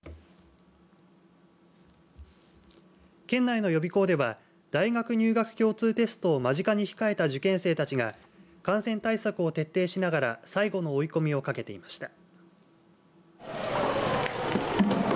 県内の予備校では大学入学共通テストを間近に控えた受験生たちが感染対策を徹底しながら最後の追い込みをかけていました。